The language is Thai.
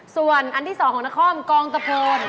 ส่วนอันที่๒ของนครกองตะโพน